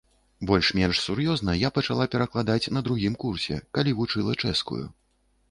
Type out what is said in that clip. Больш-менш сур'ёзна я пачала перакладаць на другім курсе, калі вучыла чэшскую.